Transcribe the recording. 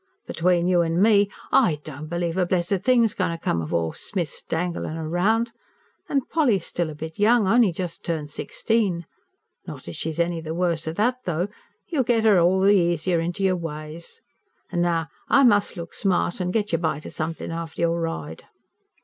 Between you an' me, I don't believe a blessed thing's goin' to come of all young Smith's danglin' round. An' Polly's still a bit young only just turned sixteen. Not as she's any the worse o' that though; you'll get 'er h'all the easier into your ways. An' now I mus' look smart, an' get you a bite o' somethin' after your ride."